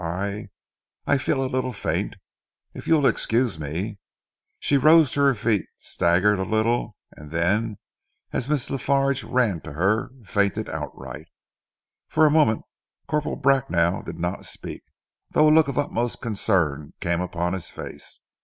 "I I feel a little faint. If you will excuse me " She rose to her feet, staggered a little, and then, as Miss La Farge ran to her, fainted outright. For a moment Corporal Bracknell did not speak, though a look of utmost concern came upon his face.